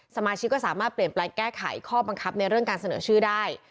สมาชิกก็สามารถเปลี่ยนแปลงแก้ไขข้อบังคับในเรื่องการเสนอชื่อได้